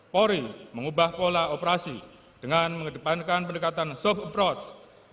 polri mengubah pola operasi dengan mengedepankan pendekatan soft approach